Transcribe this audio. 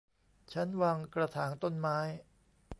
ชั้นวางกระถางต้นไม้